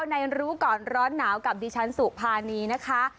รู้ก่อนร้อนหนาวกับดิฉันสุภานีนะคะ